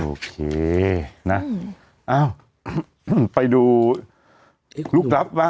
โอเคนะไปดูลูกรับป่ะ